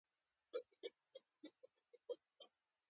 جنګ ولې تباهي ده؟